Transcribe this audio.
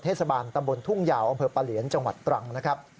เทศบาลตำบลทุ่งยาวอำเภอปะเหลียนจังหวัดตรังนะครับ